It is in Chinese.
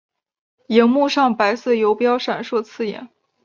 萤幕上白色游标闪烁刺眼